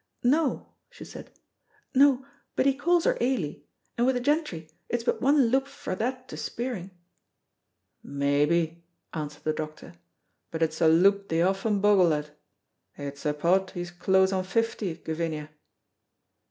"No," she said, "no, but he calls her Ailie, and wi' the gentry it's but one loup frae that to spiering." "Maybe," answered the doctor, "but it's a loup they often bogle at. I'se uphaud he's close on fifty, Gavinia?"